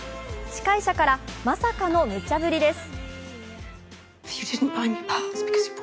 司会者からまさかのむちゃぶりです。